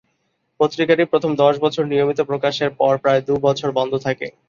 পত্রিকাটি প্রথম দশ বছর নিয়মিত প্রকাশের পর প্রায় দু বছর বন্ধ থাকে।